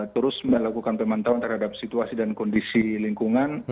terus melakukan pemantauan terhadap situasi dan kondisi lingkungan